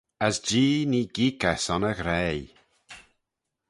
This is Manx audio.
As Jee nee geeck eh son e ghraih.